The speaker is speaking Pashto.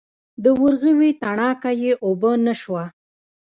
د ورغوي تڼاکه یې اوبه نه شوه.